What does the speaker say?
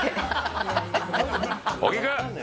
「小木君！」